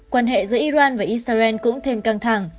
quan hệ giữa iran và israel cũng thêm căng thẳng